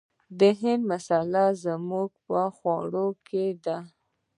د هند مسالې زموږ په خوړو کې دي.